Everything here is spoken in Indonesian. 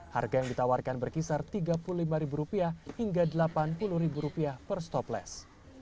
harga yang ditawarkan berkisar tiga puluh lima ribu rupiah hingga delapan puluh ribu rupiah per stopless